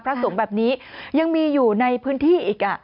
พระสงฆ์แบบนี้ยังมีอยู่ในพื้นที่อีก